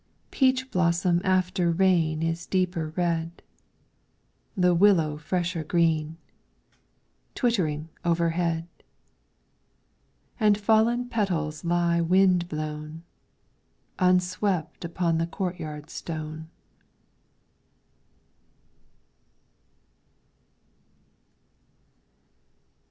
Peach blossom after rain Is deeper red ; The willow fresher green ; Twittering overhead ; And fallen petals lie wind blown, Unswept upon the courtyard stone.